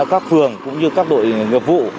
các phường cũng như các đội nghiệp vụ